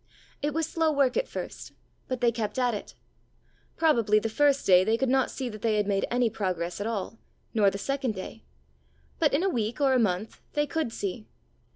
It was slow work at first. But they kept at it. Probably, the first day they could not see that they had made any progress at all, nor the second day ; but in a week or a month they could see.